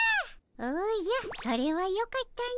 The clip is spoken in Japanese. おじゃそれはよかったの。